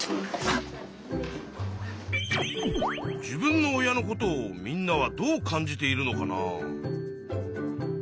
自分の親のことをみんなはどう感じているのかな？